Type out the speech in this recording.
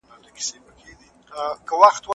د ډیپلوماسي بریالیتوب د حقونو د خونديتوب لامل سو.